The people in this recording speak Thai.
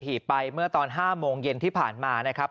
ไปเมื่อตอน๕โมงเย็นที่ผ่านมานะครับ